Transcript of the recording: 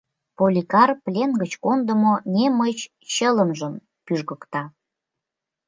Поликар плен гыч кондымо немыч чылымжым пӱжгыкта.